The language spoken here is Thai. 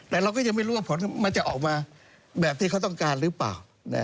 แต่เราก็ยังไม่รู้ว่าผลมันจะออกมาแบบที่เขาต้องการหรือเปล่า